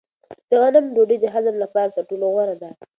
د غنمو ډوډۍ د هضم لپاره تر ټولو غوره ده.